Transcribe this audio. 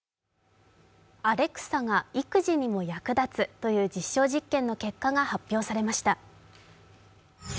アレクサが育児にも役立つという実証実験の結果が発表されました。